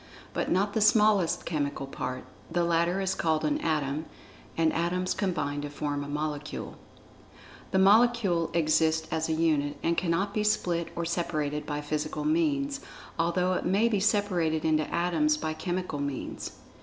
(But not the smallest chemical part—the latter is called an Atom, and Atoms combine to form a Molecule.) The Molecule exists as a unit, and cannot be split or separated by physical means, although it may be separated into Atoms by chemical means.